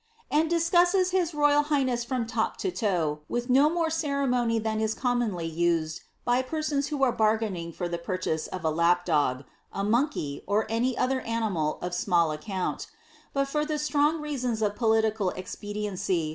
and discusses his royal highness from lop to la&, jviih no more ceremony than is commonly u»ed by persons who an bargaining for the purchase of a lap dog, a monkey, or any other animal Bui for the siron? reasons of political expediency.